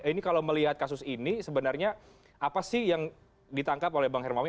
ini kalau melihat kasus ini sebenarnya apa sih yang ditangkap oleh bang hermawi